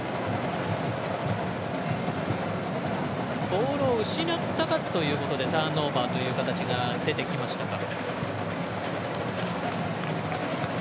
ボールを失った数ということでターンオーバーという形が出てきましたが。